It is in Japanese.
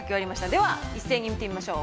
では一斉に見てみましょう。